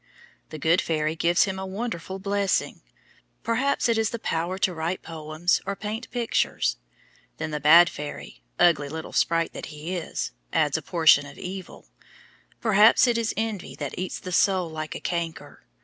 The good fairy gives him a wonderful blessing, perhaps it is the power to write poems or paint pictures. Then the bad fairy, ugly little sprite that he is, adds a portion of evil, perhaps it is envy that eats the soul like a canker.